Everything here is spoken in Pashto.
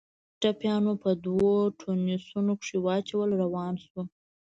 ټپيان مو په دوو ډاټسنو کښې واچول روان سو.